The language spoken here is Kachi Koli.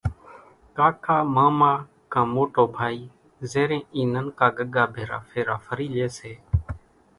ڪاڪا، ماما ڪان موٽو ڀائي زيرين اِي ننڪا ڳڳا ڀيرا ڦيرا ڦري لئي سي۔